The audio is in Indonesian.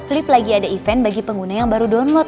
lip lagi ada event bagi pengguna yang baru download